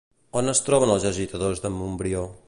On es troben els agitadors d'en Montbrió?